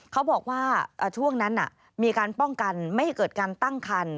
เขาบอกว่าช่วงนั้นมีการป้องกันไม่ให้เกิดการตั้งคัน